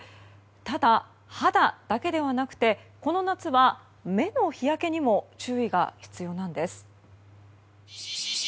ただ、肌だけではなくてこの夏は目の日焼けにも注意が必要なんです。